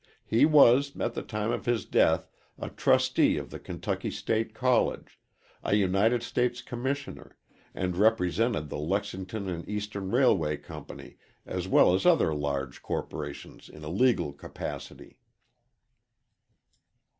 He was, at the time of his death, a trustee of the Kentucky State College, a United States Commissioner, and represented the Lexington & Eastern Railway Company as well as other large corporations in a legal capacity.